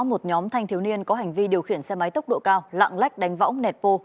một nhóm thanh thiếu niên có hành vi điều khiển xe máy tốc độ cao lạng lách đánh võng nẹt bô